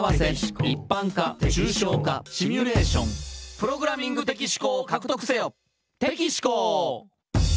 「プログラミング的思考を獲得せよ」